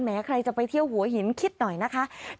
ใครจะไปเที่ยวหัวหินคิดหน่อยนะคะ